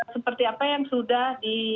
seperti apa yang sudah